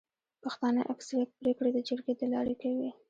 پښتانه اکثريت پريکړي د جرګي د لاري کوي.